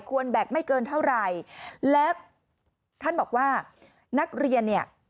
แบกไม่เกินเท่าไหร่แล้วท่านบอกว่านักเรียนเนี่ย